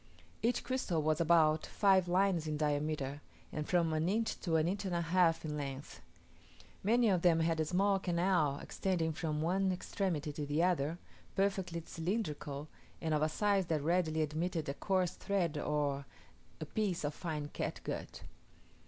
Each crystal was about five lines in diameter, and from an inch to an inch and a half in length. Many of them had a small canal extending from one extremity to the other, perfectly cylindrical, and of a size that readily admitted a coarse thread or a piece of fine catgut.